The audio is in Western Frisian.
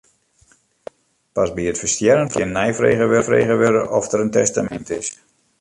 Pas by it ferstjerren fan immen kin neifrege wurde oft der in testamint is.